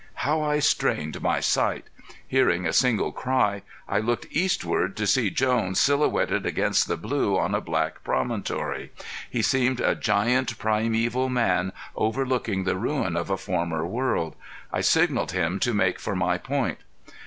How I strained my sight! Hearing a single cry I looked eastward to see Jones silhouetted against the blue on a black promontory. He seemed a giant primeval man overlooking the ruin of a former world. I signalled him to make for my point.